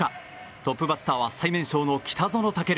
トップバッターは最年少の北園丈琉。